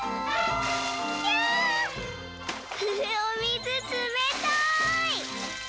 おみずつめたい！